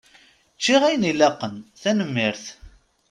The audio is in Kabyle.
Ččiɣ ayen ilaqen, tanemmirt.